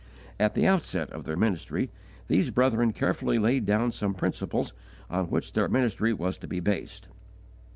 At the outset of their ministry, these brethren carefully laid down some principles on which their ministry was to be based.